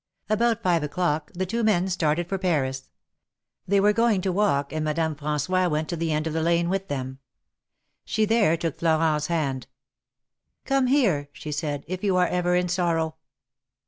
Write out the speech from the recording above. About five o'clock the two men started for Paris. They were going to walk, and Madame Fran9ois went to the end of the lane with them. She there took Florent's hand. Come here," she said, if you are ever in sorrow."